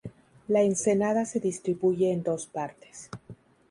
La ensenada se distribuye en dos partes.